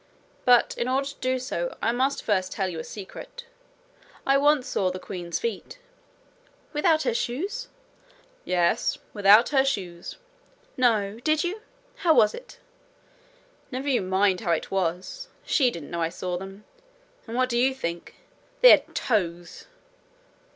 But in order to do so, I must first tell you a secret. I once saw the queen's feet.' 'Without her shoes?' 'Yes without her shoes.' 'No! Did you? How was it?' 'Never you mind how it was. She didn't know I saw them. And what do you think! they had toes!'